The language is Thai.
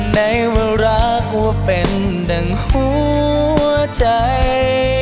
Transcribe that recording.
ในเวลารักกว่าเป็นดั่งหัวใจ